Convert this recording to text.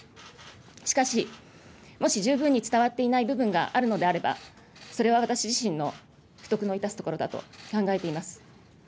しかし、もし十分に伝わっていない部分があるのであれば、それは私自身の不徳の致すところだと考えています。